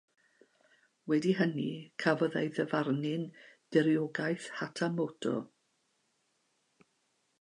Wedi hynny, cafodd ei ddyfarnu'n diriogaeth “hatamoto”.